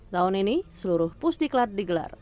tahun ini seluruh pusdiklat digelar